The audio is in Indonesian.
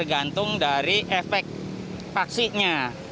tergantung dari efek vaksinnya